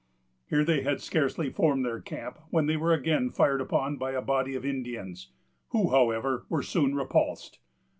Here they had scarcely formed their camp, when they were again fired upon by a body of Indians, who, however, were soon repulsed.